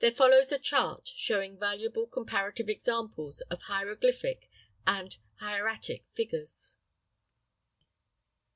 [Illustration: VALUABLE COMPARATIVE EXAMPLE OF HIEROGLYPHIC AND HIERATIC FIGURES.